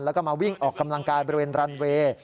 แล้วก็มาวิ่งออกกำลังกายบริเวณรันเวย์